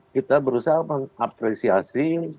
kita berusaha mengapresiasi